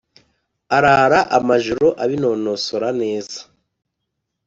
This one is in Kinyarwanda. arara amajoro abinonosora neza.